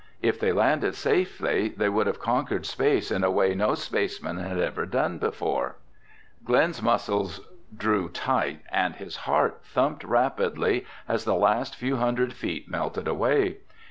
If they landed safely, they would have conquered space in a way no spaceman had ever done before. Glen's muscles drew tight and his heart thumped rapidly as the last few hundred feet melted away.